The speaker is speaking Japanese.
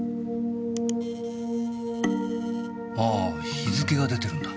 あぁ日付が出てるんだ。